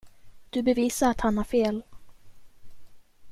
Du bevisade att han har fel.